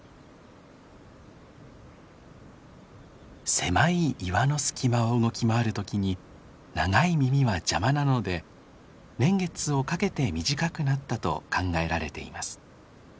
狭い岩の隙間を動き回る時に長い耳は邪魔なので年月をかけて短くなったと考えられています。